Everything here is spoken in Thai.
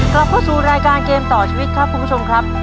กลับเข้าสู่รายการเกมต่อชีวิตครับคุณผู้ชมครับ